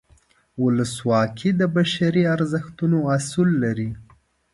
ولسواکي د بشري ارزښتونو اصول لري.